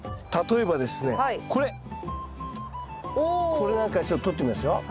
これなんかちょっととってみますよ。